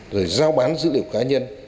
rồi giao bán dữ liệu cá nhân